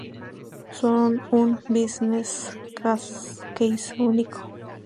Son un business case único.